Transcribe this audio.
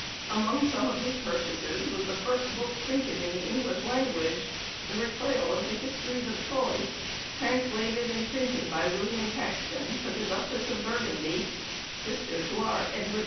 Among some of his purchases was the first book printed in the English language, "The Recuyell of the Histories of Troye," translated and printed by William Caxton, for the Duchess of Burgundy, sister to our Edward IV.